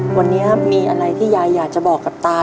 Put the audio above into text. วันนี้มีอะไรที่ยายอยากจะบอกกับตา